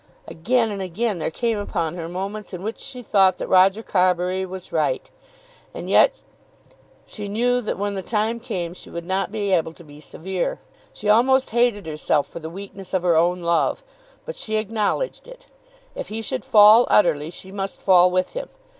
Again and again there came upon her moments in which she thought that Roger Carbury was right. And yet she knew that when the time came she would not be able to be severe. She almost hated herself for the weakness of her own love, but she acknowledged it. If he should fall utterly, she must fall with him.